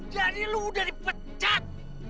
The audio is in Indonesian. jadi lo udah dipecat